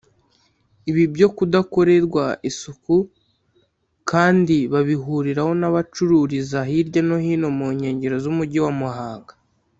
Ibi byo kudakorerwa isuku kandi babihuriraho n’abacururiza hirya no hino mu nkengero z’Umujyi wa Muhanga